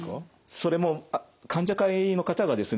それも患者会の方がですね